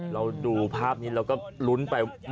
เราดูภาพนี้เราก็ลุ้นไป